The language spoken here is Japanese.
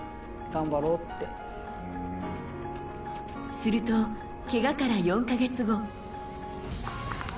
すると、けがから４か月後。